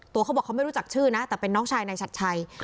เขาบอกเขาไม่รู้จักชื่อนะแต่เป็นน้องชายนายชัดชัย